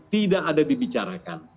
tidak ada dibicarakan